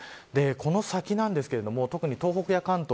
この先ですが特に東北や関東